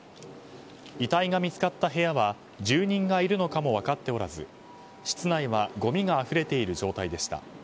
遺体が見つかった部屋は住人がいるのかも分かっておらず室内はごみがあふれている状態でした。